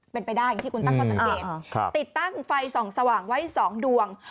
เป็นไปได้ที่คุณตั้งเขาสังเกตครับติดตั้งไฟส่องสว่างไว้สองดวง